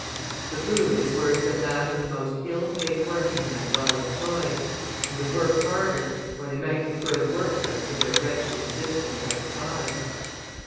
The food is worse than that of the most ill paid working man while employed, and the work harder, or they might prefer the workhouse to their wretched existence outside.